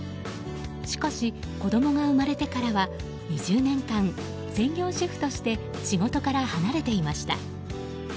しかし、子供が生まれてからは２０年間、専業主婦として仕事から離れていました。